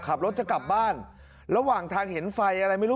ขับรถจะกลับบ้านระหว่างทางเห็นไฟอะไรไม่รู้